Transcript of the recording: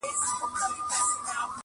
يو وايي جنايت بل وايي شرم